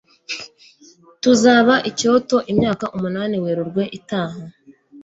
Tuzaba i Kyoto imyaka umunani Werurwe itaha